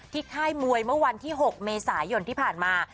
ค่ายมวยเมื่อวันที่๖เมษายนที่ผ่านมา